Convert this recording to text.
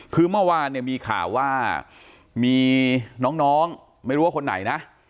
คือเมื่อวานเนี่ยมีข่าวว่ามีน้องไม่รู้ว่าคนไหนนะ